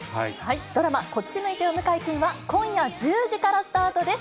ドラマ、こっち向いてよ向井くんは、今夜１０時からスタートです。